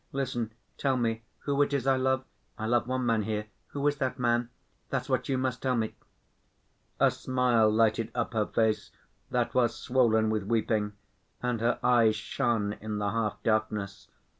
"Listen, tell me who it is I love? I love one man here. Who is that man? That's what you must tell me." A smile lighted up her face that was swollen with weeping, and her eyes shone in the half darkness.